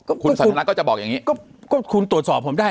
ก็คุณสัญลักษณ์ก็จะบอกอย่างงี้ก็ก็คุณตรวจสอบผมได้